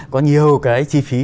có nhiều cái chi phí